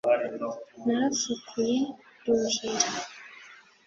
narafukuye nduhira